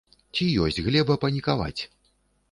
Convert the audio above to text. Ці ёсць глеба панікаваць?